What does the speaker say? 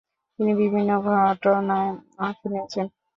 তিনি বিভিন্ন ঘটনায় অংশ নিয়েছেন।